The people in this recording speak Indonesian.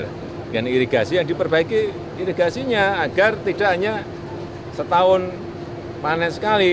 dengan irigasi yang diperbaiki irigasinya agar tidak hanya setahun panen sekali